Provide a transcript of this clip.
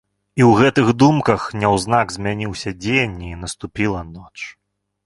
І ў гэтых думках няўзнак змяніўся дзень і наступіла ноч.